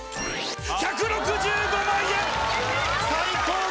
１６５万円！